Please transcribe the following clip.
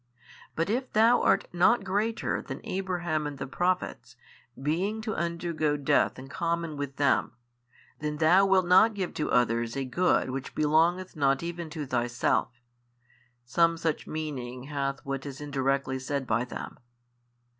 But if Thou art not greater than Abraham and the Prophets, being to undergo death in common with them, then Thou wilt not give to others a good which belongeth not even to Thyself: some such meaning hath what is indirectly said by them.